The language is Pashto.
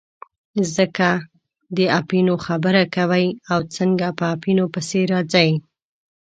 څنګه د اپینو خبره کوئ او څنګه په اپینو پسې راځئ.